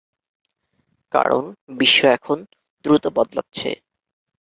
কারণ, বিশ্ব এখন দ্রুত বদলাচ্ছে।